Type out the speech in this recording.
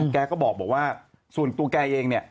แกก็บอกว่าส่วนตัวแกเองเนี่ย